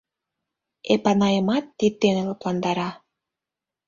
Эпанайымат тиддене лыпландара.